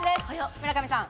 村上さん。